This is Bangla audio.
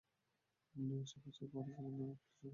আপনি বাপের বাড়িও যাবেন আর ঘর খালিও হবে না।